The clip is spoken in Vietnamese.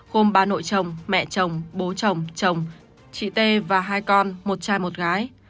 gồm ba nội chồng mẹ chồng bố chồng chồng chồng chị t và hai con một trai một gái